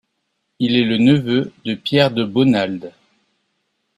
Il est le neveu de Pierre de Bonald.